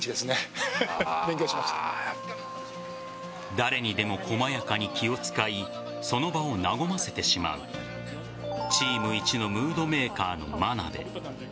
誰にでも細やかに気を使いその場を和ませてしまうチームいちのムードメーカーの眞鍋。